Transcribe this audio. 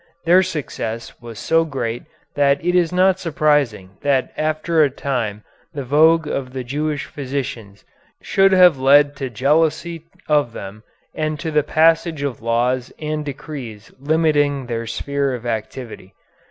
Their success was so great that it is not surprising that after a time the vogue of the Jewish physicians should have led to jealousy of them and to the passage of laws and decrees limiting their sphere of activity.